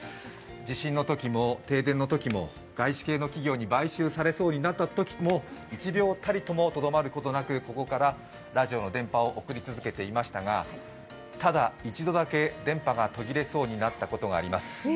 地震のときも停電のときも外資系の企業に買収されそうになったときも１秒たりともとどまることなくここからラジオの電波を送り続けていましたが、１度だけ電波が途切れそうになったときがあります。